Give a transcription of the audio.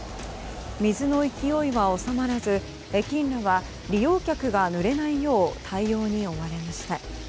水の勢いは収まらず駅員らは利用客がぬれないよう対応に追われました。